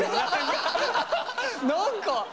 何か。